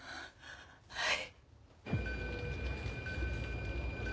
はい。